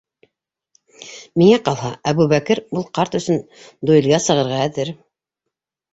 Миңә ҡалһа, Әбүбәкер ул ҡарт өсөн дуэлгә сығырға әҙер!